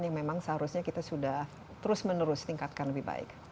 yang memang seharusnya kita sudah terus menerus tingkatkan lebih baik